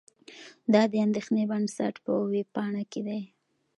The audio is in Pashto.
دا د اندېښې بنسټ په وېبپاڼه کې دي.